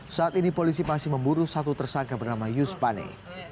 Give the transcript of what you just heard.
saat ini polisi masih memburu satu tersangka bernama yus pane